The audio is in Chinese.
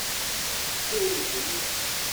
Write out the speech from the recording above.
路易十一。